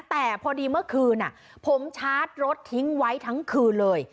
แต่พอดีเมื่อคืนผมชาร์จรถทิ้งไว้ทั้งคืนเลย